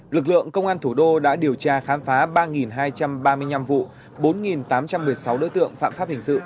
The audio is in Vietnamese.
lực lượng công an thủ đô đã điều tra khám phá ba hai trăm ba mươi năm vụ bốn tám trăm một mươi sáu đối tượng phạm pháp hình sự